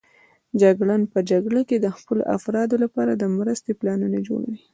جګړن په جګړه کې د خپلو افرادو لپاره د مرستې پلانونه جوړوي.